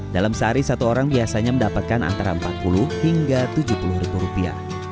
dalam sehari satu orang biasanya mendapatkan antara empat puluh hingga tujuh puluh ribu rupiah